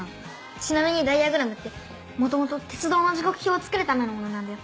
ちなみにダイヤグラムって元々鉄道の時刻表を作るためのものなんだよ。